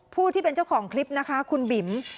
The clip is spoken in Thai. ผู้ที่เป็นเจ้าของคลิปนะคะคุณบิ๋ม